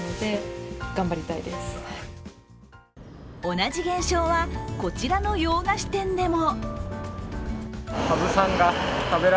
同じ現象はこちらの洋菓子店でも。